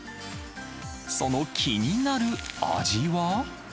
その気になる味は。